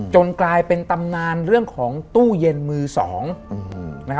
กลายเป็นตำนานเรื่องของตู้เย็นมือสอง